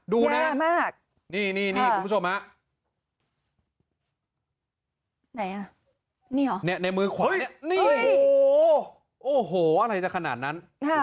ดูนะนี่นี่คุณผู้ชมครับในมือขวานี่โอ้โหอะไรจากขนาดนั้น